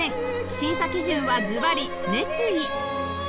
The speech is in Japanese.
審査基準はずばり「熱意」！